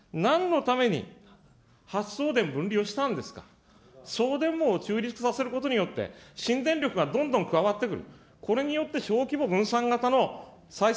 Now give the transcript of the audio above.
なんのために発送電分離をしたんですか、送電網をちゅうりつさせることによって、新電力がどんどん加わってくる。